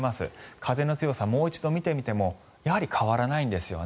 風の強さをもう一度見てみてもやはり変わらないんですよね。